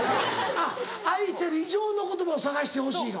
あっ「愛してる」以上の言葉を探してほしいの？